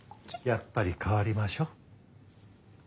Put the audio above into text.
やっぱり代わりましょう。